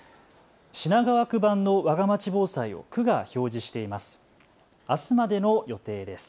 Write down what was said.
品川区版のわがまち防災を区が表示しています。